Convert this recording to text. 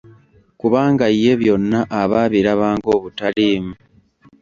Kubanga ye byonna aba abiraba ng'obutaliimu.